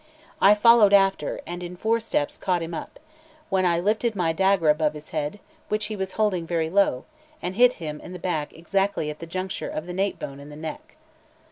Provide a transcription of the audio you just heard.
I followed after, and in four steps caught him up, when I lifted my dagger above his head, which he was holding very low, and hit him in the back exactly at the juncture of the nape bone and the neck.